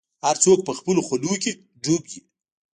هر څوک به خپلو حولو کي ډوب وي